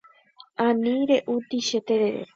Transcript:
Ani re'úti che terere.